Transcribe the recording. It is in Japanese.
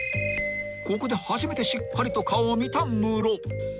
［ここで初めてしっかりと顔を見たムロ］